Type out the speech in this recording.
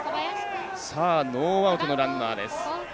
ノーアウトのランナーです。